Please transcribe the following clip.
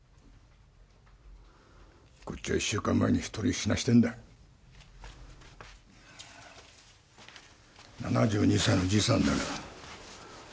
こっちは一週間前に一人死なせてるんだ７２歳のじいさんだよ